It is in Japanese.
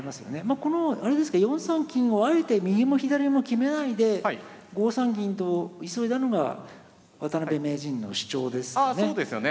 このあれですか４三金をあえて右も左も決めないで５三銀と急いだのが渡辺名人の主張ですかね。